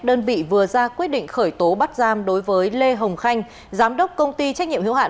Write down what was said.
đơn vị vừa ra quyết định khởi tố bắt giam đối với lê hồng khanh giám đốc công ty trách nhiệm hiếu hạn